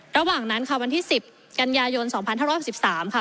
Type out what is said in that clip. ระหว่างนั้นค่ะวันที่๑๐กันยายน๒๕๖๓ค่ะ